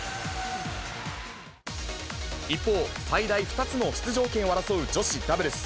一方、最大２つの出場権を争う女子ダブルス。